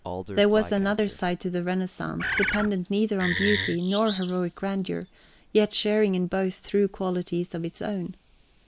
There was another side to the Renaissance, dependent neither on beauty nor heroic grandeur, yet sharing in both through qualities of its own.